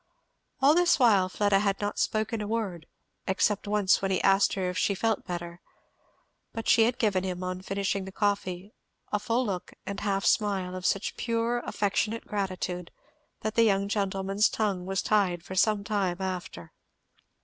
All this while Fleda had not spoken a word, except once when he asked her if she felt better. But she had given him, on finishing the coffee, a full look and half smile of such pure affectionate gratitude that the young gentleman's tongue was tied for some time after.